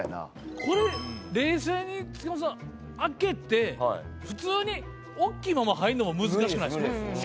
これ冷静に塚本さん開けて普通に大きいまま入るのも難しくないですか？